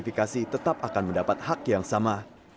yang belum teridentifikasi tetap akan mendapat hak yang sama